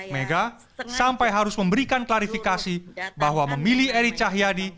mega sampai harus memberikan klarifikasi bahwa memilih eri cahyadi